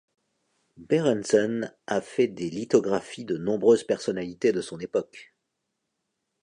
Bærentzen a fait des lithographies de nombreuses personnalités de son époque.